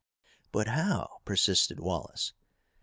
"But how?" persisted Wallace.